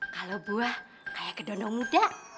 kalo buah kayak gedondong muda